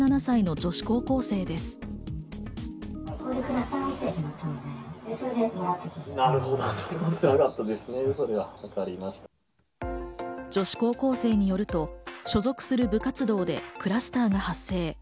女子高校生によると、所属する部活動でクラスターが発生。